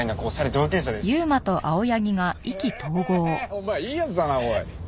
お前いい奴だなおい。